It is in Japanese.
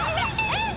えっ！